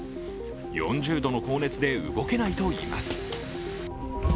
４０度の高熱で動けないといいます。